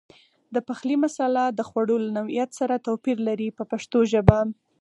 د پخلي مساله د خوړو له نوعیت سره توپیر لري په پښتو ژبه.